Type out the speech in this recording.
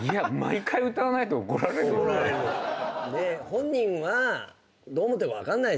本人はどう思ってるか分かんないですけど。